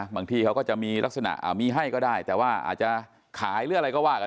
ที่เขาก็จะมีลักษณะมีให้ก็ได้แต่ว่าอาจจะขายหรืออะไรก็ว่ากัน